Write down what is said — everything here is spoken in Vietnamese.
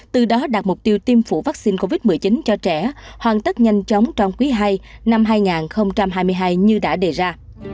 từ đó đạt mục tiêu tiêm phủ vaccine covid một mươi chín cho trẻ hoàn tất nhanh chóng trong quý ii năm hai nghìn hai mươi hai như đã đề ra